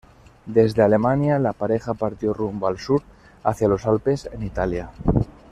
Desde Alemania, la pareja partió rumbo al sur, hacia los Alpes, en Italia.